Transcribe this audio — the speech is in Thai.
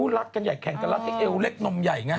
รักกันใหญ่แข่งกันรัดให้เอวเล็กนมใหญ่ไง